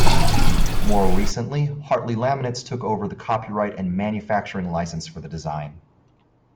More recently Hartley Laminates took over the copyright and manufacturing licence for the design.